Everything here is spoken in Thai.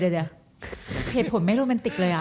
เดี๋ยวเผ็ดผมไม่โรแมนติกเลยอะ